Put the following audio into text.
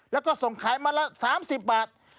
แล้วก็ส่งขายมาละ๓๐บาท